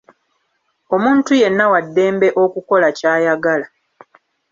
Omuntu yenna wa ddembe okukola ky'ayagala.